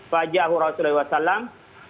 fajjahu rasulullah wa sallam